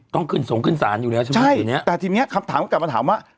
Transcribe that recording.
ต้องส่งขึ้นสารอยู่แล้วใช่แต่ทีนี้กลับมาถามว่า